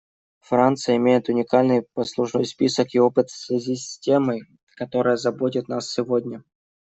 Франция имеет уникальный послужной список и опыт в связи темой, которая заботит нас сегодня.